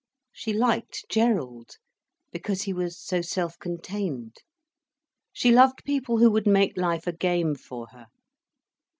She liked Gerald, because he was so self contained. She loved people who would make life a game for her.